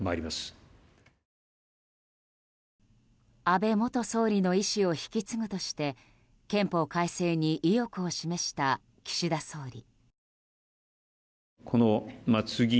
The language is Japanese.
安倍元総理の遺志を引き継ぐとして憲法改正に意欲を示した岸田総理。